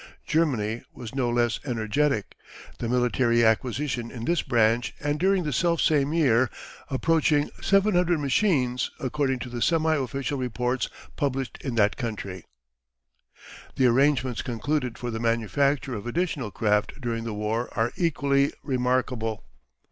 Germany was no less energetic, the military acquisition in this branch, and during the self same year, approaching 700 machines according to the semi official reports published in that country. The arrangements concluded for the manufacture of additional craft during the war are equally remarkable.